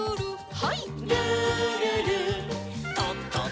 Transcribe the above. はい。